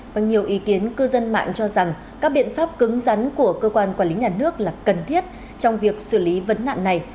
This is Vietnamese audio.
và nhiều ý kiến cư dân mạng cho rằng các biện pháp cứng rắn của cơ quan quản lý nhà nước là cần thiết trong việc xử lý vấn nạn này